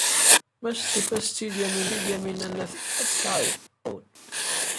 Ma testufa Setti Lyamina n At Ḥsayen, ad tt-tɛawen.